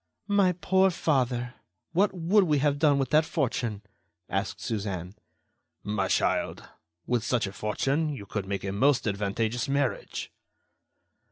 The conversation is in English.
"My poor father, what would we have done with that fortune?" asked Suzanne. "My child! with such a fortune, you could make a most advantageous marriage."